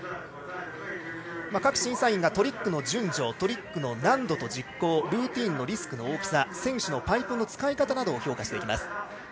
各審査員がトリックの順序トリックの難度と実行ルーティンのリスクの大きさ選手のパイプの使い方などを評価します。